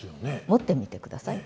持ってみてください。